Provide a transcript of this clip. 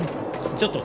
ちょっと。